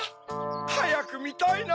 はやくみたいな！